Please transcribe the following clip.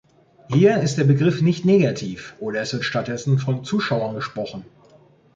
Hier ist der Begriff nicht negativ, oder es wird stattdessen von "Zuschauern" gesprochen.